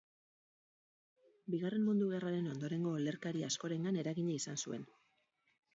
Bigarren Mundu Gerraren ondorengo olerkari askorengan eragina izan zuen.